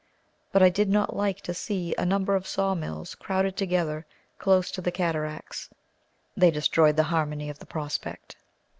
But I did not like to see a number of saw mills crowded together close to the cataracts; they destroyed the harmony of the prospect.